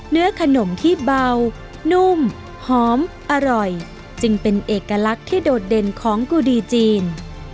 เนื้อขนมที่เบานุ่มหอมอร่อยจึงเป็นเอกลักษณ์ที่โดดเด่นของกุดีจีน